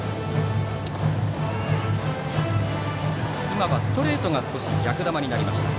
今はストレートが少し逆球になりました。